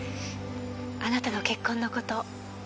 あなたの結婚のこと